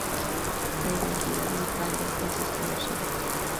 La identidad del padre es desconocida.